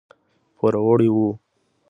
پوروړي وو.